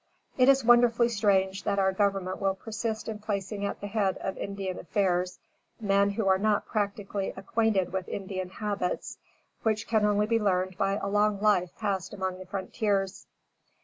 It is wonderfully strange that our Government will persist in placing at the head of Indian affairs men who are not practically acquainted with Indian habits, which can only be learned by a long life passed upon the frontiers.